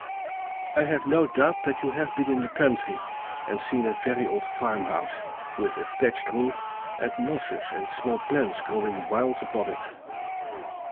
I have no doubt that you have been in the country, and seen a very old farmhouse, with a thatched roof, and mosses and small plants growing wild upon it.